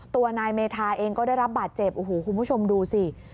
ตัวนายเมธาเองก็ได้รับบาดเจ็บโอ้โหคุณผู้ชมดูสิ